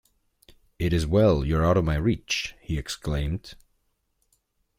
‘It is well you are out of my reach,’ he exclaimed.